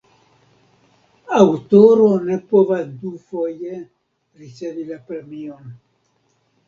Aŭtoro ne povas dufoje ricevi la premion.